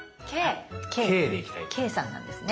「Ｋ」さんなんですね？